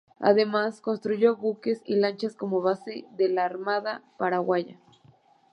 Además, construyó buques y lanchas como base de la Armada paraguaya.